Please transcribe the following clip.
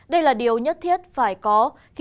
đây là điều nhất thiết phải có